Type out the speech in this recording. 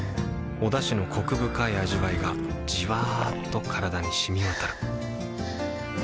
おだしのコク深い味わいがじわっと体に染み渡るはぁ。